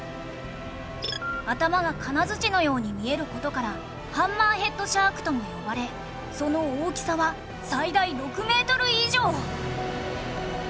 頭が金づちのように見える事からハンマーヘッドシャークとも呼ばれその大きさは最大６メートル以上！